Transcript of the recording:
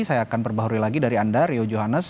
saya akan perbaharui lagi dari anda rio johannes